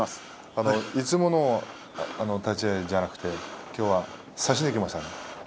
いつもの立ち合いじゃなくてきょうは差しにいきましたね。